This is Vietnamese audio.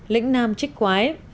lĩnh nam trích quái